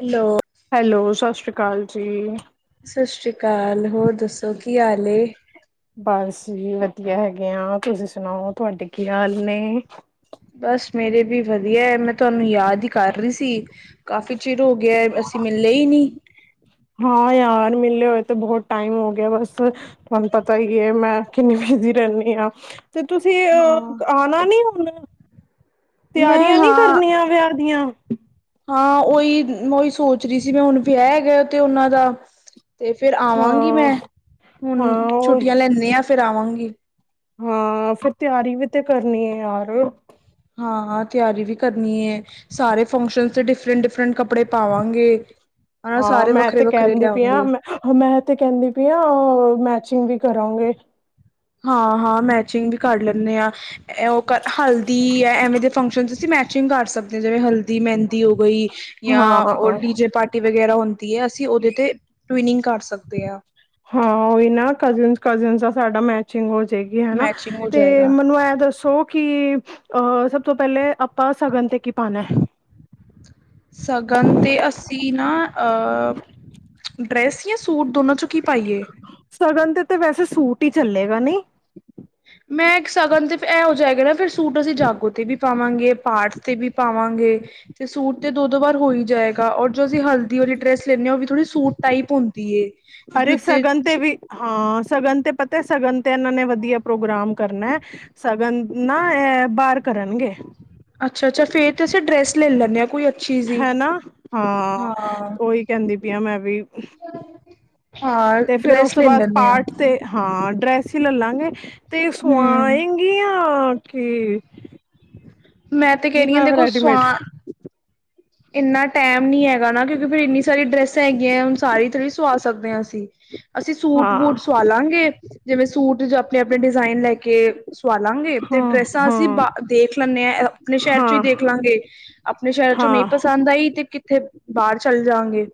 Hello hello ਸਤਿ ਸ੍ਰੀ ਅਕਾਲ ਜੀ ਕਾਲ ਹੋਰ ਦੱਸੋ ਕੀ ਹਾਲ ਬਸ ਜ ਵਧੀਆ ਹੈਗੇ ਆ ਤੁਸੀਂ ਸੁਣਾਓ ਤੁਹਾਡੇ ਕੀ ਹਾਲ ਨੇ ਬਸ ਮੇਰੇ ਵੀ ਵਧੀਆ ਹੈ, ਮ ਤੁਹਾਨੂੰ ਯਾਦ ਹੀ ਕਰ ਰਹੀ ਸੀ। ਕਾਫ਼ੀ ਚਿਰ ਹੋ ਗਿਆ, ਅਸੀਂ ਮਿੱਲੇ ਹੀ ਨਹੀਂ। ਹਾਂ ਯਾਰ ਮਿਲੇ ਹੋਏ ਤਾਂ ਬਹੁਤ ਟਾਈਮ ਹੋ ਗਿਆ ਬਸ, ਤੁਹਾਨੂੰ ਪਤਾ ਹੀ ਹੈ ਮੈਂ ਕਿੰਨਨੀ ਬੀਜ਼ੀ ਰਹਿੰਦੀ ਹਾਂ, ਤੇ ਤੁਸੀਂ ਹਾਂ। ਅਹ ਆਣਾ ਨੀ ਹੁਣ? ਮੈਂ ਤਿਆਰੀਆਂ ਨਹੀਂ ਹਾਂ ਕਰਨੀਆਂ ਵਿਆਹ ਦੀਆਂ? ਹਾਂ ਓਹੀ, ਓਹੀ ਸੋਚ ਰਹੀ ਸੀ ਮੈਂ। ਹੁਣ ਵਿਆਹ ਹੈਗਾ ਤੇ ਉਹਨਾਂ ਦਾ। ਤੇ ਫੇਰ ਆਵਾਂਗੀ ਹਾਂ ਮੈਂ, ਹੁਣ ਹਾਂ ਉਹ ਛੁੱਟੀਆਂ ਲੈਂਦੀ ਹਾਂ। ਫਿਰ ਆਵਾਂਗੀ ਹਾਂ ਫੇਰ ਤਿਆਰੀ ਵੀ ਤੇ ਕਰਨੀ ਹੈ ਯਾਰ। ਹਾਂ ਹਾਂ ਤਿਆਰੀ ਵੀ ਕਰਨੀ ਏ, ਸਾਰੇ ਫੰਕਸ਼ਨ ਚ ਡਿਫਰੈਂਟ ਡਿਫਰੈਂਟ ਕੱਪੜੇ ਪਾਵਾਂਗੇ। ਹਨਾ ਹਾਂ ਸਾਰੇ ਮੈਂ ਵੱਖਰੇ ਤੇ ਵੱਖਰੇ ਕਹਿੰਦੀ ਪਈ ਹਾਂ ਲਿਆਉਗੇ। ਮੈਂ, ਮੈਂ ਤੇ ਕਹਿੰਦੀ ਪਈ ਆਂ ਮੈਚਿੰਗ ਵੀ ਕਰਾਂਗੇ। ਹਾਂ-ਹਾਂ, ਮੈਚਿੰਗ ਵੀ ਕਰ ਲੈਂਨੇ ਹਾਂ। ਉਹ ਕਰ, ਹਲਦੀ ਹੈ ਐਵੇਂ ਦੇ ਫੰਕਸ਼ਨ ਚ ਤੁਸੀਂ ਮੈਚਿੰਗ ਕਰ ਸਕ ਦੇ, ਜਿਵੇਂ ਹਲਦੀ ਮਹਿੰਦੀ ਹੋ ਗਈ ਯਾ ਉਹ ਹਾਂ ਡੀਜੇ ਪਾਰਟੀ ਵਗੈਰਾ ਹੁੰਦੀ ਹੈ, ਅਸੀਂ ਉਹਦੇ ਤੇ ਟਵਿਨਿੰਗ ਕਰ ਸਕਦੇ ਆ। ਹਾਂ ਉਹੀ ਨਾ, ਕਜ਼ਨਸ ਕਜ਼ਨਸ ਦਾ ਸਾਡਾ ਮੈਚਿੰਗ ਹੋ ਜਾਏਗਾ ਥੇ ਗੀ ਹੈਨਾ, ਮੈਚਿੰਗ ਹੋ ਤੇ ਜਾਏਗਾ ਮੈਨੂੰ ਇਹ ਦੱਸੋ ਕਿ ਅ ਸਭ ਤੋਂ ਪਹਿਲੇ ਆਪਾਂ ਸਗਨ ਤੇ ਕੀ ਪਾਣੈ। ਸ਼ਗਨ ਤੇ ਅਸੀਂ ਨਾ, ਡਰੈਸੀਅ ਸੂਟ, ਦੋਨਾਂ ਚੋਂ ਕੀ ਪਾਈਏ ਸਗਨ ਤੇ ਤੇ ਵੈਸੇ ਸੂਟ ਹੀ ਚੱਲੇਗਾ, ਨਹੀਂ? ਮੈਂ ਇੱਕ ਸ਼ਗਨ ਤੇ ਇਹ ਹੋ ਜਾਏਗਾ ਨਾ ਫਿਰ ਸੂਟ ਅਸੀਂ ਜਾਗੋ ਤੇ ਵੀ ਪਾਵਾਂਗੇ, ਪਾਠ ਤੇ ਵੀ ਪਾਵਾਂਗੇ। ਤੇ ਸੂਟ ਤੇ ਦੋ ਦੋ ਵਾਰ ਹੋ ਹੀ ਜਾਏਗਾ, ਔਰ ਜੋ ਅਸੀਂ ਹਲਦੀ ਵਾਲੀ ਡਰੈਸ ਲੈਂਦੇ ਹਾਂ ਉਹ ਵੀ ਥੋੜੀ ਸੂਟ ਟਾਈਪ ਹੁੰਦੀ ਏ ਕਿਉਂਕਿ ਅਰੇ ਉੱਤੇ ਸਗਨ ਤੇ ਵੀ, ਹਾਂ ਸਗਨ ਤੇ ਪਤਾ ਸਗਨ ਤੇ ਇਹਨਾਂ ਨੇ ਵਧੀਆ ਪ੍ਰੋਗਰਾਮ ਕਰਨੈ, ਸਗਨ ਨਾ ਇਹ ਬਾਹਰ ਕਰਨਗੇ। ਅੱਛਾ ਅੱਛਾ, ਫ਼ੇਰ ਤੇ ਅਸੀਂ ਡਰੈਸ ਲੈ ਲੈਂਦੇ ਹਾਂ ਕੋਈ ਅੱਛੀ ਜਿਹੀ ਹੈ ਨਾ, ਹਾਂ। ਉਹੀ ਕਹਿੰਦੀ ਪਈ ਆ ਮੈਂ ਵੀ। ਹਾਂ ਤੇ ਫੇਰ ਉਸ ਡਰੈਸ ਤੋਂ ਲੈ ਬਾਅਦ ਲੈਂਦੇ ਹਾਂ ਪਾਠ ਤੇ, ਹਾਂ ਡਰੈਸ ਹੀ ਲਲਾਂਗੇ। ਤੇ ਹਮ ਸਵਾਏਂ ਚੰਗੀਆਂ ਕੀ ਮੈਂ ਤੇ ਕਹਿ ਰਹੀਂ ਹਾਂ ਦੇਖੋ ਸੁਆਂ ਇੰਨਾ ਟਾਈਮ ਨੀ ਹੈਗਾ ਨਾ, ਕਿਉਂਕਿ ਫੇਰ ਇੰਨੀ ਸਾਰੀ ਡਰੈਸਾਂ ਹੈਗੀਆਂ, ਹੁਣ ਸਾਰੀ ਥੋੜੀ ਸਵਾ ਸਕਦੇ ਹਾਂ ਅਸੀਂ। ਅਸੀਂ ਸੂਟ ਹਾਂ ਵੂਟ ਸੁਆ ਲਾਂਗੇ, ਜਿਵੇਂ ਸੂਟ ਆਪਣੇ ਆਪਣੇ ਡਿਜ਼ਾਇਨ ਲੈ ਕੇ ਕੇ ਸਵਾ ਲਾਂਗੇ ਤੇ ਹਾਂ ਡਰੈਸਾਂ ਅਸੀਂ ਹਾਂ ਬਾ ਦੇਖ ਲੈਂਦੇ ਏਂ। ਅਪਨੇ ਸ਼ਹਿਰ ਚੋਂ ਹੀ ਹਾਂ ਦੇਖ ਲਾਂਗੇ, ਅਪਨੇ ਸ਼ਹਿਰ ਚੋਂ ਨਹੀਂ ਹਾਂ ਪਸੰਦ ਆਈ ਤੇ ਕਿੱਥੇ ਬਾਹਰ ਚੱਲ ਜਾਂਗੇ।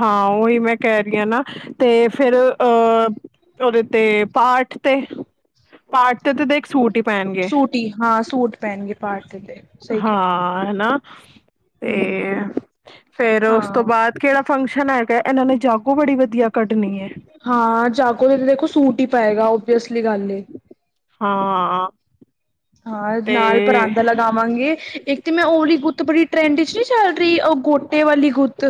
ਹਾਂ ਉਹੀ ਮੈਂ ਕਹਿ ਰਹੀ ਹਾਂ ਨਾ ਤੇ ਫਿਰ ਅ ਹ ਉਹਦੇ ਤੇ ਪਾ ਪਾਠ ਤੇ, ਪਾਠ ਤੇ ਤੇ ਦੇਖ ਸੂਟ ਹੀਂ ਪੈਣਗੇ ਸੂਟ ਹੀ ਹਾਂ ਸੂਟ ਪਹਿਨਗੇ ਪਾਰਟੀ ਤੇ ਸਹੀ ਕਹਿ ਰਹੇ ਹੋ। ਹਾਂ, ਹੈਨਾ ਹਮ ਤੇ ਫੇਰ ਉਸ ਤੋਂ ਹਾਂ ਬਾਅਦ ਕਿਹੜਾ ਫੰਕਸ਼ਨ ਹੈਗਾ? ਇਹਨਾਂ ਨੇ ਜਾਗੋ ਬੜੀ ਵਧੀਆ ਕੱਢਣੀ ਹੈ ਹਾਂ ਜਾਗੋ ਤੇ ਤਾਂ ਦੇਖੋ ਸੂਟ ਹੀ ਪਏਗਾ, ਓਬਵੀਅਸਲੀ ਗੱਲ ਏ। ਹਾਂ ਹਾਂ ਤੇ ਨਾਲ ਪਰਾਂਦਾ ਲਗਾਵਾਂਗੇ। ਇੱਕ ਤੇ ਮੈਂ ਓਹ ਵਾਲੀ ਗੁੱਤ ਬੜੀ ਟਰੈਂਡ ਚ ਨਹੀਂ ਚੱਲ ਰਹੀ, ਉਹ ਗੋਟੇ ਵਾਲੀ ਗੁੱਤ?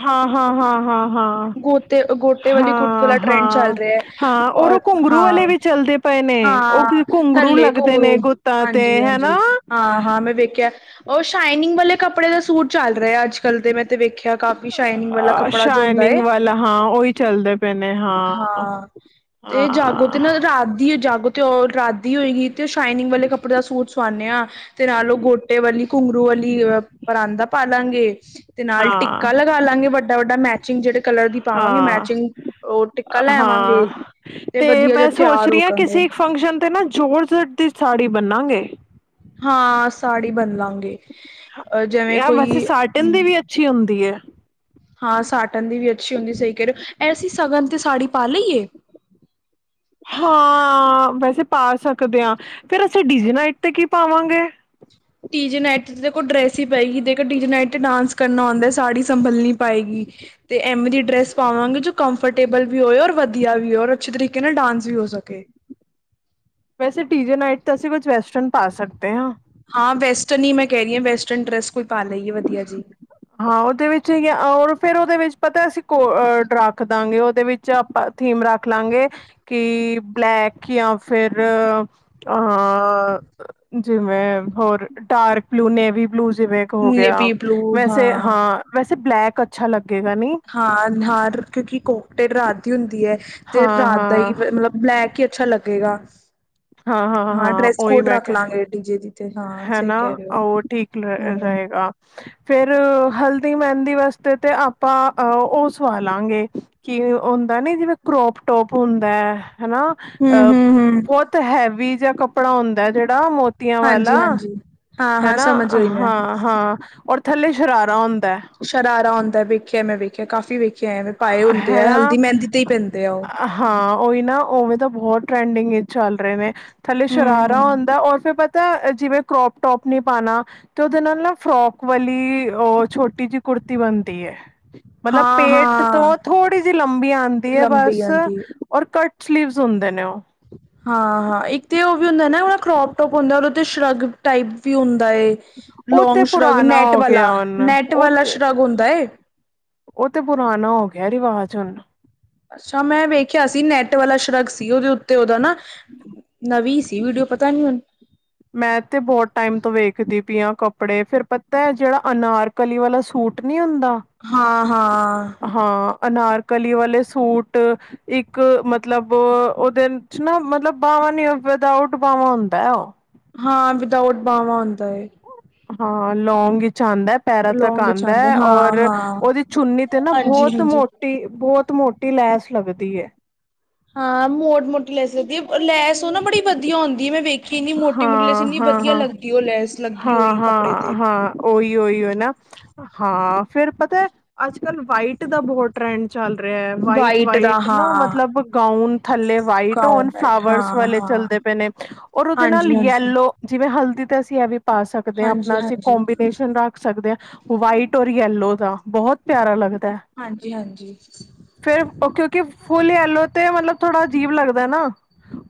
ਹਾਂ ਹਾਂ ਹਾਂ ਹਾਂ। ਗੋਤੇ ਗੋਟੇ ਹਾਂ, ਵਾਲੀ ਗੁੱਤ ਹਾਂ ਵਾਲਾ ਟਰੈਂਡ ਚੱਲ ਹਾਂ, ਰਿਹਾ ਹੈ ਹਾਂ ਔਰ ਓਹ ਘੁੰਗਰੂ ਵਾਲੇ ਵੀ ਚੱਲਦੇ ਪਏ- ਨੇ, ਉਹ ਕੁ ਹਾਂ ਘੁੰਗਰੂ ਥੱਲੇ ਲੱਗਦੇ ਨੇ ਘੁੰਗਰੂ ਗੁੱਤਾਂ ਤੇ, ਹਾਂਜੀ ਹੈਨਾ। ਹਾਂਜੀ ਹਾਂ ਹਾਂ ਮੈਂ ਵੇਖਿਆ ਉਹ ਸ਼ਾਈਨਿੰਗ ਵਾਲੇ ਕੱਪੜੇ ਦਾ ਸੂਟ ਚੱਲ ਰਿਹਾ ਅੱਜ ਕੱਲ੍ਹ ਦੇ, ਮੈਂ ਤੇ ਵੇਖਿਆ। ਕਾਫੀ ਸ਼ਾਈਨਿੰਗ ਵਾਲਾ ਕੱਪੜਾ ਜੋ ਹੁੰਦਾ ਸ਼ਾਈਨਿੰਗ ਏ। ਵਾਲਾ ਹਾਂ ਉਹੀ ਚੱਲਦੇ ਪਏ ਨੇ ਹਾਂ, ਤੇ ਹਾਂ, ਜਾਗੋ ਤੇ ਨਾ ਰਾਤ ਦੀ ਏ ਜਾਗੋ ਤੇ ਉਹ ਰਾਤ ਦੀ ਹੋਏਗੀ, ਤੇ ਉਹ ਸ਼ਾਈਨਿੰਗ ਵਾਲੇ ਕੱਪੜੇ ਦਾ ਸੂਟ ਸਵਾਨੇ ਆ, ਤੇ ਨਾਲ ਉਹ ਗੋਟੇ ਵਾਲੀ ਘੁੰ ਰੂ ਵਾਲੀ ਪਰਾਦਾ ਪਾ ਲਾਂਗੇ, ਤੇ ਨਾਲ ਹਾਂ, ਟਿੱਕਾ ਲਗਾ ਲਾਂਗੇ, ਵੱਡਾ ਵੱਡਾ ਮੈਚਿੰਗ ਜਿਹੜੇ ਕਲਰ ਦੀ ਪਾਵਾਂਗੇ। ਹਾਂ, ਮੈਚਿੰਗ ਉਹ ਟਿੱਕਾ ਲੈਵਾਂਗੇ, ਹਾਂ। ਤੇ ਵਧੀਆ ਜਿ ਮੈਂ ਸੋਚ ਤਿਆਰ ਹੋ ਰਹੀ ਹਾਂ ਕਰਾਂਗੇ ਕਿਸੇ ਕ ਫੰਕਸ਼ਨ ਤੇ ਨਾ ਜੋਰਜਟ ਦੀ ਸਾੜੀ ਬਨਾਗੇ। ਕ ਹਾਂ। ਸਾੜੀ ਬਣ ਲਾਂਗੇ, ਜਿਵੇਂ ਯਾਰ ਵੈਸੇ ਕੋਈ ਸਾਟਨ ਹਮ ਦੀ ਵੀ ਅੱਛੀ ਹੁੰਦੀ ਹੈ। ਹਾਂ। ਸਾਟਨ ਦੀ ਵੀ ਅੱਛੀ ਹੁੰਦੀ, ਸਹੀ ਕਰਿਓ, ਇਹ ਅਸੀਂ ਸ਼ਗਨ ਤੇ ਸਾੜੀ ਪਾ ਲਈਏ। [inaudible] ਹਾਂ। ਵੈਸੇ ਪਾ ਸਕਦੇ ਹਾਂ। ਫਿਰ ਅਸੀਂ ਡੀ ਜੇ ਨਾਈਟ ਤੇ ਕੀ ਪਾਵਾਂਗੇ। ਟੀ ਜੇ ਨਾਈਟ ਦੇਖਲ ਡਰੈਸ ਹੀ ਡੀ ਡੀ ਜੇ ਨਾਈਟ ਤੇ ਡ੍ਰੇਸ ਹੀ ਪਏਗੀ। ਦੇਖੋ, ਜੇ ਡੀ ਦੇ ਨਾਈਟ ਤੇ ਡਾਂਸ ਕਰਨਾ ਆਉਂਦਾ ਸਾੜੀ ਸੰਭਲਣੀ ਨਹੀ ਪਏਗੀ ਤੇ ਐਵੇਂ ਦੀ ਡਰੈਸ ਪਾਵਾਂਗੇ ਜੋ ਤੇ ਤੇ ਤੇ ਤੇ ਐਮ ਦੀ ਡੇ੍ਸ ਪਾਵਾਂ ਗੇ। ਜੋ ਕੰਫਰਟੇਬਲ ਵੀ ਹੋਏ ਔਰ ਵਧੀਆ ਵੀ ਹੋ ਔਰ ਅੱਛੇ, ਤਰੀਕੇ ਨਾਲ ਡਾਂਸ ਵੀ ਹੋ ਸਕ ਓ ਕੇ ਵੈਸੇ ਡੀ ਜੇ ਨਾਈਟ ਤਾਂ ਅਸੀਂ ਕੁਝ ਵੈਸਟਰਨ ਪਾ ਸਕਦੇ ਹਾਂ। ਹਾਂ। ਵੈਸਟਰਨ ਹੀ ਮੈਂ ਕਹਿ ਰਹੀ ਹਾਂ। ਵੈਸਟਰਨ ਡਰੈਸ ਕੋਈ ਪਾ ਲਈ ਏ ਵਧੀਆ ਜੀ। ਹਾਂ। ਉਹਦੇ ਵਿੱਚ ਹੀ ਫੇਰ, ਉਹਦੇ ਵਿੱਚ ਪਤਾ, ਅਸੀਂ ਕੋ ਰੱਖ ਦਾਂਗੇ ਉਹਦੇ ਵਿੱਚ ਆਪਾਂ ਥੀਮ ਰੱਖ ਲਾਂਗੇ ਕਿ ਬਲੈਕ ਜਾਂ ਫਿਰ ਅ ਜਿਵੇਂ ਹੋਰ ਡਾਰਕ ਬਲੂ, ਨੇਵੀ ਬਲੂ ਜਿਵੇਂ ਹੋ ਗਿਆ। ਨੇਵੀ ਬਲੂ ਵੈਸੇ ਹਾਂ ਵੈਸੇ ਬਲੈਕ ਅੱਛਾ ਲੱ ਹਾਂ। ਨਹਾਰ ਕਿਉਂਕਿ ਕੋਕਟੇ ਰਾਤ ਦੀ ਹੁੰਦੀ ਹੈ ਤੇ ਹਾਂ ਰਾਧ ਹੀ ਹਾਂ ਮਤਲਬ ਬਲੈਕ ਅੱਛਾ, ਲੱਗੇਗਾ। ਹਾਂ ਡਰੈਸ ਕੋਡ ਰੱਖ ਲਵਾਂਗੇ। ਡੀ ਜੇ ਦੀ ਤੇ ਹਾਂ ਸਹੀ ਹਨਾ। ਕਹਿ ਰਹੇ ਹੋ। ਉਹ ਠੀਕ ਰ ਹੂੰ ਰਹੇਗਾ, ਫੇਰ ਹਲਦੀ, ਮਹਿੰਦੀ ਵਾਸਤੇ ਤੇ ਆਪਾਂ ਉਹ ਸਵਾ ਲਾਂਗੇ ਕਿ ਹੁੰਦਾ ਨੀ ਜਿਵੇਂ ਟੋਪ ਹੁੰਦਾ ਏ ਹਨਾ। ਹੂੰ ਅ ਹੂੰ ਹੂੰ ਬਹੁਤ ਹੈਵੀ ਜਿਆ ਕੱਪੜਾ ਹੁੰਦਾ। ਜਿਹੜਾ ਮੋਤੀਆਂ ਵਾਲੇ ਹਾਂਜੀ ਹਨਾ ਹਾਂਜੀ ਹਾਂ ਹਾਂ ਸਮਝ ਹਟਾ ਗਈ ਮੈਂ। ਹਾਂ ਹਾਂ ਔਰ ਥੱਲੇ ਸ਼ਰਾਰਾ ਹੁੰਦਾ ਸ਼ਰਾਰਾ ਹੁੰਦਾ ਵੇਖਿਆ, ਮੈਂ ਵੇਖਿਆ ਕਾਫ਼ੀ ਵੇਖਿਆ। ਐਵੇਂ ਪਾਏ ਹੁੰਦੇ ਆ ਹੈਨਾ ਹਲਦੀ ਮਹਿੰਦੀ ਤੇ ਹੀ ਪੈਂਦੇ ਆ ਉਹ। ਹਾਂ ਉਹੀ ਨਾ ਉਵੇਂ ਤਾਂ ਬਹੁਤ। ਟਰੈਂਡਿੰਗ ਚੱਲ ਰਹੇ ਨੇ ਥੱਲੇ ਸ਼ਰਾਰਾ ਹੂੰ। ਹੁੰਦਾ ਔਰ ਫਿਰ। ਤਾਂ ਜਿਵੇਂ ਕਰੋਪ ਟੋਪ ਨਹੀਪਾਉਣਾ, ਤੇ ਉਹਦੇ ਨਾਲ ਨਾ ਫਰੋਕ ਵਾਲੀ ਅ ਛੋਟੀ ਜਿਹੀ ਕੁੜ। ਕੁੜਤੀ ਬਣਦੀ ਹੈ। ਮਤਲਬ ਹਾਂ ਪੇਟ ਹਾਂ ਤੋਂ ਥੋੜੀ ਜਿਹੀ ਲੰਬੀ ਆਉਂਦੀ ਹੈ। ਲੰਬੀ ਬਸ ਆਂਦੀ ਔਰ ਕਟ। ਸਲੀਵਸ ਹੁੰਦੇ ਨੇ ਉਹ। ਹਾਂ, ਹਾਂ ਇੱਕ ਤੇ ਉਹ ਵੀ ਹੁੰਦਾ ਨਾ। ਕਰੋਪ ਟੋਪ ਹੁੰਦਾ ਸ਼ਰਗ ਟਾਈਪ ਵੀ ਹੁੰਦਾ। ਹੁੰਦਾ ਏ। ਉਹ ਤੇ ਲੋਂਗ ਸ਼ਰਗ ਪੁਰਾਣਾ ਨੈਟ ਹੋ ਗਿਆ ਵਾਲਾ ਹੁਣ ਨੈਟ ਉਹ ਵਾਲਾ ਤੇ ਸ਼ਰਗ ਹੁੰਦਾ ਏ। ਉਹ ਤੇ ਪੁਰਾਣਾ ਹੋ ਗਿਆ। ਰਿਵਾਜ਼ ਹੁਣ। ਅੱਛਾ, ਮੈਂ ਵੇਖਿਆ ਸੀ। ਨੈਟ ਵਾਲਾ ਸ਼ਰਗ ਸੀ। ਉਹਦੇ ਉੱਤੇ ਉਹਦਾ ਨਾ ਨਵੀਂ ਸੀ। ਵੀਡੀਓ, ਪਤਾ ਨੀ ਹੁਣ। ਮੈਂ ਤੇ ਬਹੁਤ ਟਾਈਮ ਤੋਂ ਵੇਖਦੀ ਪਈ ਹਾਂ ਕੱਪੜੇ ਫਿਰ ਪਤਾ ਹੈ। ਜਿਹੜਾ ਅਨਾਰ ਕਲੀ ਵਾਲਾ ਸੂਟ ਨਹੀ ਹੁੰਦਾ। ਹਾਂ -ਹਾਂ। ਹਾਂ ਅਨਾਰਕਲੀ ਵਾਲੇ ਸੂਟ ਇੱਕ ਮਤਲਬ ਉਹਦੇ ਚ ਨਾ ਮਤਲਬ। ਨੀ ਹੋਵੇਦਾ ਉਊਟ ਪਾਵਾਂ ਹੁੰਦਾ ਏ ਉਹ। ਹਾਂ, ਵਿਦਾਊਟ ਬਾਹਵਾਂ ਹੁੰਦਾ। ਹਾਂ, ਲੌਂਗ। ਆਉਂਦਾ ਹੈ। ਪੈਰਾਂ ਤੱਕ ਲੌਂਗ ਵਿੱਚ ਆਉਂਦਾ ਆਂਦਾ ਹੈ। ਹਾਂ ਔਰ, ਹਾਂ। ਉਹਦੀ ਚੁੰਨੀ ਤੇ ਨਾ ਹਾਂਜੀ ਬਹੁਤ ਹਾਂਜੀ। ਮੋਟੀ ਬਹੁਤ ਚ। ਮੋਟੀ ਲੈਸ ਲੱਗਦੀ ਏ। ਹਾਂ। ਮੋੜ ਮੋਟੀ, ਲੈ ਸਕਦੀ ਆ ਲੈਸ ਉਹ ਨਾ ਬੜੀ ਵਧੀਆ ਹੁੰਦੀ ਹੈ ਮੈਂ ਵੇਖ। ਹਾਂ, ਹਾਂ, ਹਾਂ, ਲੈਸ ਲੱਗੀ ਹਾਂ, ਹੋਈ ਕੱਪੜੇ ਹਾਂ, ਤੇ ਹਾਂ ਓਹੀ, ਉਹੀਓ ਅਣਾ। ਹਾਂ। ਫੇਰ ਪਤਾ, ਅੱਜ ਕੱਲ ਵਾਈਟ ਦਾ ਬਹੁਤ ਟਰੈਂਡ। ਚੱਲ ਰਿਹਾ ਹੈ। ਵਾਈਟ, ਦਾ ਵਾਈਟ ਨਾ ਹਾਂ ਮਤਲਬ ਗਾਊਨ। ਥੱਲੇ ਵਾਈਟ ਹੋਣ, ਗਾਊਨ ਵਾਈਟ ਫਲਾਵਰਸ ਹਾਂ ਵਾਲੇ ਹਾਂ ਚੱਲਦੇ ਪਏ ਨੇ, ਔਰ ਉਹਦੇ ਨਾਲ ਹਾਂਜੀ ਹਾਂਜੀ ਯੈਲੋ ਜਿਵੇਂ ਹਲਦੀ। ਤੇ ਅਸੀਂ ਇਹ ਵੀ ਪਾ ਸਕਦੇ ਹਾਂ। ਹਾਂਜੀ ਆਪਣਾ ਅਸੀਂ ਹਾਂਜੀ ਕੋਂਬੀਨੇਸ਼ਨ ਰੱਖ ਸਕਦੇ ਹਾਂ। ਵਾਈਟ ਔਰ ਯੈਲੋ ਦਾ। ਬਹੁਤ ਪਿਆਰਾ ਲੱਗਦਾ। ਹੈ। ਹਾਂਜੀ ਹਾਂਜੀ। ਫੇਰ ਕਿਉਂਕਿ ਫੁੱਲ ਐਲੋ ਤੇ ਮਤਲਬ ਥੋੜਾ ਅਜੀਬ ਲੱਗਦਾ ਨਾ।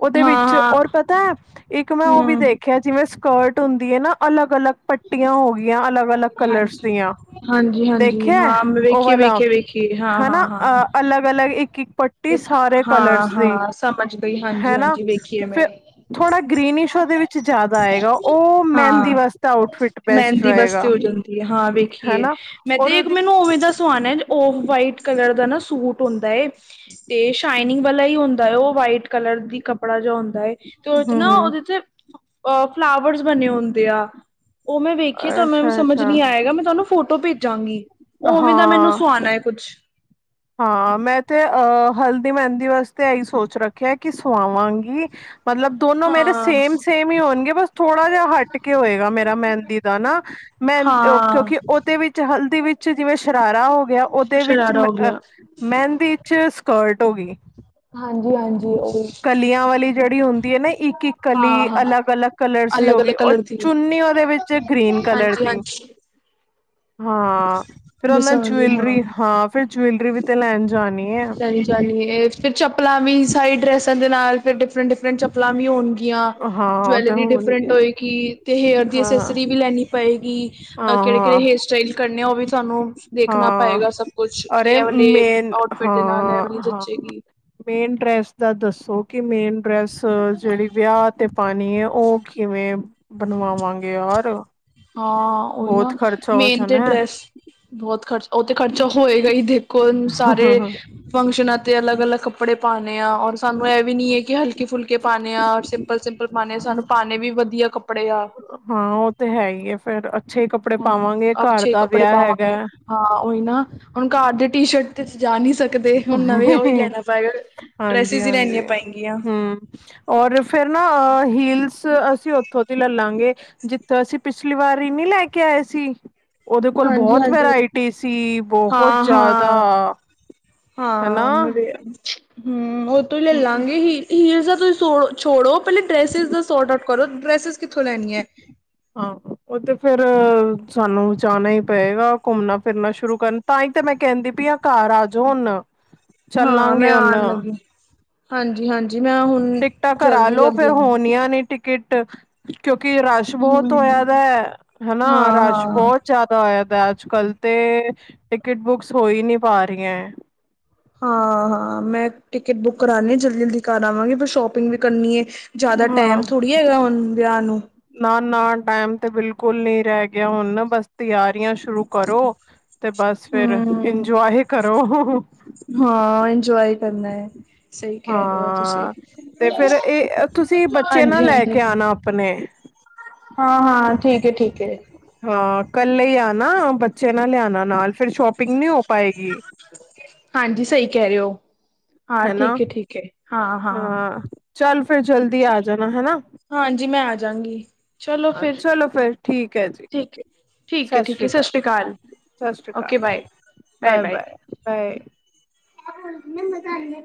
ਉਹਦੇ ਹਾਂ ਵਿੱਚ ਹਾਂ ਔਰ ਪਤਾ ਹੈ। ਇੱਕ ਮੈਂ ਉਹ ਵੀ ਹਮ ਦੇਖਿਆ ਜਿਵੇਂ ਸਕਰਟ ਹੁੰਦੀ ਹੈ ਨਾ ਅਲੱਗ ਅਲੱਗ। ਪੱਟੀਆਂ ਹੋ ਗਈਆਂ ਅਲੱਗ ਅਲੱਗ ਕਲਰਸ ਹਾਂਜੀ ਦੀਆਂ ਹਾਂਜੀ ਹਾਂਜੀ ਦੇਖਿਆ ਹਾਂ ਮੈਂ ਉਹ ਵੇਖੀਏ ਵਾਲਾ। ਵੇਖੀਏ ਵੇਖੀਏ ਹਾਂ ਹਨਾ ਹਾਂ ਹਾਂ ਅ ਅਲੱਗ ਅਲੱਗ ਇੱਕ। ਇੱਕ ਪੱਟੀ ਸਾਰੇ ਹਾਂ ਕਲਰਸ ਦੀ ਹਾਂ ਸਮਝ ਗਈ ਹਾਂਜੀ ਹੈਨਾ ਹਾਂਜੀ ਵੇਖੀਏ ਫਿ। ਮੈਂ ਥੋੜਾ ਗ੍ਰਨਸ ਦੇ ਵਿੱਚ ਜਿਆਦਾ ਆਏਗਾ ਉਹ ਮਹਿੰਦੀ ਹਾਂ ਵਾਸਤੇ ਆਊਟਫਿਟ ਬੈਸਟ ਮਹਿੰਦੀ ਵਾਸਤੇ ਰਹੇਗਾ। ਹੋ ਹਾਂ ਵੇਖੀਏ ਹਨਾ ਮੈਂ ਔਰ ਤੇ ਇੱਕ ਉਹਦੀ ਮੈਨੂੰ ਉਵੇਂ ਦਾ ਸਵਾਉਨਾ ਹੈ ਓ ਵਾਈਟ ਕਲਰ ਦਾ। ਨਾ ਸੂਟ ਹੁੰਦਾ ਏ। ਤੇ ਸ਼ਾਇਨਿੰਗ ਵਾਲਾ ਹੀ ਹੁੰਦਾ ਹੈ ਉਹ ਵਾਈਟ ਕਲਰ ਦੀ ਕੱਪੜਾ ਜੋ ਹੁੰਦਾ ਹੈ। ਤੇ ਉਹ ਤੇ ਹਮ ਨਾ ਹਮ ਉਹਦੇ ਚ ਅ ਫਲਾਵਰਸ ਬਣੇ ਹੁੰਦੇ ਆ। ਉਹ ਮੈਂ ਵੇਖੀਏ ਤੁਹਾਨੂੰ ਐ ਅੱਛਾ ਸਮਝ ਅੱਛਾ ਨੀ ਆਏਗਾ ਮੈਂ ਤੁਹਾਨੂੰ ਫੋਟੋ ਭੇਜਾਂਗੀ। ਉਵੇਂ ਦਾ ਮੈਨੂੰ ਹਾਂ ਸੁਆਣਾ ਕੁੱਛ। ਹਾਂ ਮੈਂ ਤੇ ਅਹ ਹਲਦੀ ਮਹਿੰਦੀ ਵਾਸਤੇ ਇਹੀ ਸੋਚ ਰੱਖਿਆ ਕਿ ਸਵਾਗੀ। ਮਤਲਬ ਦੋਨੋ ਮੇਰੇ ਹਾਂ ਸੇਮ ਸੇਮ ਹੀ ਹੋਣਗੇ ਬਸ ਥੋੜਾ ਜਿਹਾ ਹਟ ਕੇ ਹੋਏਗਾ ਮੇਰਾ ਮਹਿੰਦੀ ਦਾ ਨਾ। ਮੈਂ ਹਾਂ ਕਿਉਂਕਿ ਉਹਦੇ ਵਿੱਚ ਹਲਦੀ ਵਿੱਚ ਜਿਵੇਂ ਸ਼ਰਾਰਾ ਹੋ ਗਿਆ ਉਹਦੇ ਵਿੱਚ ਸ਼ਰਾਰਾ ਹੋ ਅਹ। ਗਿਆ ਮੈਂਹਿੰਦੀ ਵਿੱਚ ਸਕਰਟ ਹੋ ਗਈ। ਹਾਂਜੀ ਹਾਂਜੀ ਉਹੀ ਕਲੀਆਂ ਵਾਲੀ ਜਿਹੜੀ ਹੁੰਦੀ ਹੈ ਨਾ ਇੱਕ ਇੱਕ ਹਾਂ ਕਲੀ ਹਾਂ ਅਲੱਗ ਅਲੱਗ ਕਲਰ। ਸੀ ਹੋ ਅਲੱਗ ਗਈ ਅਲੱਗ ਉਹ ਕਲਰ ਦੀ ਚੁੰਨੀ ਉਹਦੇ ਵਿੱਚ ਗ੍ਰੀਨ ਕਲਰ ਹਾਂਜੀ ਦੀ। ਹਾਂਜੀ ਹਾਂ ਫਿਰ ਉਹਨਾਂ ਜੁਵਲਰੀ ਹਾਂ ਫਿਰ ਜੂੈਲਰੀ ਵਿੱਚ। ਚ ਜਾਣੀਏ ਫਿਰ ਚੱਪਲਾਂ ਵੀ ਸਾਰੀ ਡਰੈਸਾਂ ਦੇ ਨਾਲ। ਡਿਫਰੈਂਟ ਡਿਫਰੈਂਟ ਚੱਪਲਾਂ ਵੀ ਹੋਣ ਤੇ। ਜਾਂ ਹਾਂ ਉਹ ਤੇ ਜਵੈਲਰੀ ਡਿਫਰੰਟ ਹੋਣਗੇ ਹੋਏਗੀ ਤੇ ਹੇਅਰ ਦੀ ਹਾਂ ਅਸੈਸਰੀ ਵੀ ਲੈਣੀ ਪਏਗੀ ਕਿਹੜੇ ਕਿਹੜੇ ਹਾਂ ਹੇਅਰ ਸਟਾਈਲ ਕਰਨੇ ਆ ਉਹ ਵੀ ਤੁਹਾਨੂੰ ਦੇਖਣਾ ਹਾਂ ਪਏਗਾ ਸਭ ਕੁਛ ਕਿ ਅਰੇ ਇਹ ਵਾਲੇ ਮੇ ਆਊਟਫਿਟ ਦੇ ਨਾਲ ਇਹ ਵਾਲੀ ਹਾਂ ਹਾਂ ਜੱਚੇਗੀ ਮੇਨ ਡਰੈੱਸ ਦੈ ਦੱਸੋ ਕਿ ਮੇਨ ਡਰੈਸ ਜਿਹੜੀ ਵਿਆਹ ਤੇ ਪਾਣੀ ਹੈ ਉਹ ਕਿਵੇਂ ਬਣਵਾਵਾਂਗੇ ਯਾਰ ਹਾਂ ਉਹੀ ਨਾ ਬਹੁਤ ਖ਼ਰਚਾ ਮੇਨ ਹੋਸਣ ਤੇ ਹੈ। ਡਰੈਸ ਬਹੁਤ ਖਰਚ ਉਹ ਤੇ ਖਰਚਾ ਹੋਏਗਾ ਹੀ ਦੇ ਕੋਣ ਸਾਰੇ ਫੰਕਸ਼ਨਾਂ ਤੇ ਅਲੱਗ -ਅਲੱਗ ਕੱਪੜੇ ਪਾਣੇ ਹਾਂ ਔਰ ਸਾਨੂੰ ਇਹ ਵੀ ਨਹੀਂ ਹੈ ਕਿ ਹਲਕੇ ਫੁਲਕੇ ਪਾਣੇ ਆ ਔਰ ਸਿੰਪਲ ਸਿੰਪਲ ਪਾਂਣੇ ਆ ਸਾਨੂੰ ਪਾਣੇ ਵਧੀਆ ਕੱਪੜੇ ਆ ਹਾਂ ਉਹ ਤੇ ਹੈ ਹੀ ਐ ਫੇਰ ਅ ਅੱਛੇ ਕੱਪੜੇ ਹੁਣ ਪਾਵਾਂਗੇ ਘਰ ਅੱਛੇ ਦਾ ਕੱਪੜੇ ਵਿਆਹ ਹੈਗਾ ਪਾਵਾਂਗੇ ਹੈ। ਹਾਂ ਉਹੀ ਨਾ ਹੁਣ ਘਰ ਦੇ ਟੀਸ਼ਰਟ ਤੇ ਚ ਜਾ ਨਹੀਂ ਸਕ- ਦੇ ਹੁਣ ਨਵੇਂ ਉਹਹੀ ਲੈਣਾ ਪਏਗਾ ਹਾਂਜੀ ਡਰੈਸਿਸ ਹੀ ਲੈਣੀਆਂ ਹਾਂਜੀ ਪਏਗੀਆਂ ਫੇਰ ਨਾ ਅ ਹੀਲਸ ਅਸੀਂ ਉੱਥੋਂ ਦੀ ਲੈਲਾਂਗੇ ਜਿੱਥੇ ਅਸੀਂ ਪਿਛਲੀ ਵਾਰੀ ਨੀ ਲੈ ਕੇ ਆ ਸੀ ਉਹਦੇ ਕੋਲ ਹਾਂਜੀ ਬੋਹੋਤ ਹਾਂਜੀ ਵਰਾਇਟੀ ਸੀ ਬੋਹੁਤ ਹਾਂ ਜ਼ਿਆਦਾ। ਹਾਂ [inaudible] ਹਨਾ ਹਾਂ ਓਹ ਤੋਂ ਲੇਲਾਂਗੇ ਹੀ ਤੁਸੀਂ ਛੋੜੋ ਪਹਿਲੇ ਡਰੈਸਿਸ ਦਾ ਸੋਰਟ ਆਊਟ ਕਰੋ ਡਰੈਸਿਸ ਕਿੱਥੋਂ ਲੈਣੀ ਹੈ? ਹਾਂ ਉਹ ਤੇ ਫੇਰ ਸਾਨੂੰ ਜਾਣਾ ਹੀ ਪਏਗਾ ਘੁੰਮਣਾ ਫਿਰਨਾ ਸ਼ੁਰੂ ਕਰਨ ਤਾਂ ਹੀ ਤੇ ਮੈਂ ਕਹਿੰਦੀ ਪਈ ਆਹ ਘਰ ਆ ਜਾਉ ਹੁਣ ਹਾਂ ਚਲਾਂਗੇ ਮੈਂ ਹੁਣ। ਆਉਣ ਲੱਗੀ ਹਾਂਜੀ ਹਾਂਜੀ ਮੈਂ ਹੁਣ ਟਿਕਟਾ ਕਰਾ ਜਲਦੀ ਲਓ ਜਲਦੀ ਫਿਰ ਆਉਣਾ ਹੋਣੀਆਂ ਨਹੀਂ ਟਿਕਟ ਕਿਉਂਕਿ ਰਸ਼ ਹਮ ਬਹੁਤ ਹੋਇਆ ਦਾ ਹੈਨਾ ਹਾਂ ਰਸ਼ ਹਾਂ ਬਹੁਤ ਜਿਆਦਾ ਹੋਇਆ ਦਾ। ਕੱਲ ਤੇ ਟਿਕਟ ਬੁੱਕਸ ਹੋ ਹੀ ਨਹੀਂ ਪਾ ਰਹੀ ਹੈ। ਹਾਂ ਹਾਂ ਮੈਂ ਟਿਕਟ ਬੁੱਕ ਕਰਾਣੀ ਹ ਜਲਦੀ ਜਲਦੀ ਕਰ ਆਵਾਂਗੀ ਫਿਰ ਸ਼ੋਪਿੰਗ ਵੀ ਕਰਨੀ ਹੈ। ਜਿਆਦਾ ਟੈਮ ਹਾਂ ਥੋੜੀ ਹੈਗਾ ਹੁਣ ਵਿਆਹ ਨੂੰ- ਨਾ- ਨਾ ਟਾਈਮ ਤੇ ਬਿਲਕੁਲ ਨੀ ਰਹਿ ਗਿਆ ਹੁਣ ਨਾ ਬਸ ਤਿਆਰੀਆਂ ਸ਼ੁਰੂ ਕਰੋ। ਤੇ ਬਸ ਫਿਰ ਹਮ ਇੰਜੋਏ ਕਰੋ ਹਾਂ ਇੰਜੋਏ ਕਰਨਾ ਹੈ ਸਹੀ ਕਹਿ ਰਹੇ ਹੋ ਤੁਸੀਂ ਹਾਂ ਤੇ ਫਿਰ ਇਹ ਤੁਸੀਂ ਬੱਚੇ ਨਾ ਲੈ ਕੇ ਆਣਾ ਆਪਣੇ। ਹਾਂ-ਹਾਂ ਠੀਕ ਏ ਠੀਕ ਹੈ ਹਾਂ ਕੱਲੇਈ ਆਣਾ ਬੱਚੇ ਨਾ ਲਿਆਣਾ ਨਾਲ ਫਿਰ ਸ਼ੋਪਿੰਗ ਨੀ ਹੋ ਪਾਏਗੀ। ਹਾਂਜੀ ਸਹੀ ਕਹਿ ਰਹੇ ਹੋ, ਹਾਂ ਹਨਾ ਠੀਕ ਏ ਠੀਕ ਏ ਹਾਂ ਚੱਲ ਫਿਰ ਜਲਦੀ ਆ ਚਲੋ, ਜਾਣਾ ਹੈਣਾ। ਹਾਂਜੀ ਮੈਂ ਆ ਜਾਂਗੀ ਚਲੋ ਹਾ ਫਿਰ ਚਲੋ ਫਿਰ ਠੀਕ ਹੈ ਜੀ। ਠੀਕ ਹੈ ਠੀਕ ਹੈ ਠੀਕ ਹੈ ਸਤਿ ਸਸ੍ਰੀਕਾਲ ਸ਼੍ਰੀ ਅਕਾਲ ਓਕੇ ਸਤਸ਼੍ਰੀਕਾਲ। Bye bye -bye bye. ਚਾਹ ਬਣ ਗੀਆਂ ਮਜ਼ਾ ਆਏਗਾ। [inaudible]